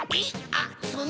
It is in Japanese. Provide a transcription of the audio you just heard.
あっその。